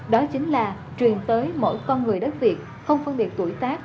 đó chính là truyền tới mỗi con người đất việt không phân biệt tuổi tác